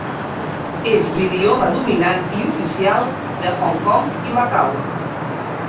És l'idioma dominant i oficial de Hong Kong i Macau.